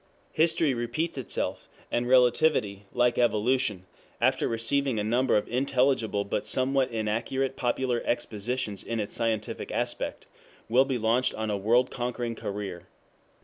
History repeats itself, and Relativity, like Evolution, after receiving a number of intelligible but somewhat inaccurate popular expositions in its scientific aspect, will be launched on a world conquering career.